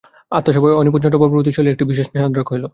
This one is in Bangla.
আত্মসেবায় অনিপুণ চন্দ্রবাবুর প্রতি শৈলের একটু বিশেষ স্নেহোদ্রেক হইল।